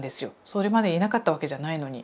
それまでいなかったわけじゃないのに。